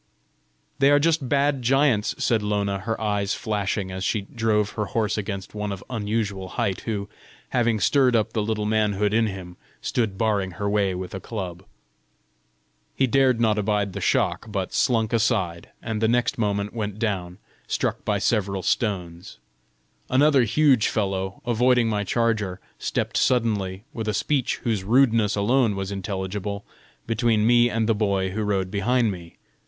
"They are just bad giants!" said Lona, her eyes flashing as she drove her horse against one of unusual height who, having stirred up the little manhood in him, stood barring her way with a club. He dared not abide the shock, but slunk aside, and the next moment went down, struck by several stones. Another huge fellow, avoiding my charger, stepped suddenly, with a speech whose rudeness alone was intelligible, between me and the boy who rode behind me.